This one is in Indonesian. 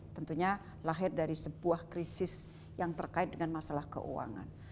tentunya lahir dari sebuah krisis yang terkait dengan masalah keuangan